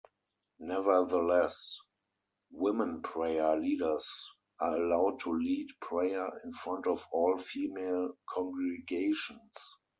Nevertheless, women prayer leaders are allowed to lead prayer in front of all-female congregations.